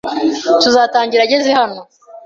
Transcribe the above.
Tuzatangira ageze hano.